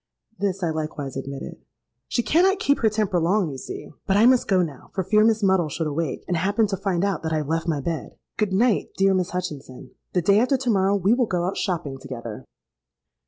'—This I likewise admitted.—'She cannot keep her temper long, you see. But I must go now, for fear Miss Muddle should awake, and happen to find out that I have left my bed. Good night, dear Miss Hutchinson. The day after to morrow we will go out shopping together.'